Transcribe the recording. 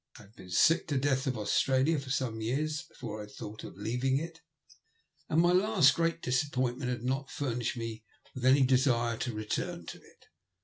I had been sick to death of Australia for some years before I had thought of leaving it, and my last great disap pointment had not furnished me with any desire to return to it.